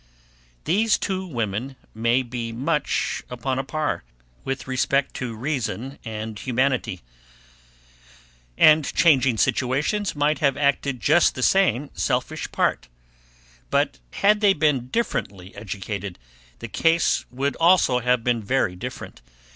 These two women may be much upon a par, with respect to reason and humanity; and changing situations, might have acted just the same selfish part; but had they been differently educated, the case would also have been very different.